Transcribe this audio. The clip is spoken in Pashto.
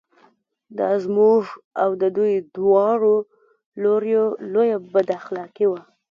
دا زموږ او د دوی دواړو لوریو لویه بد اخلاقي وه.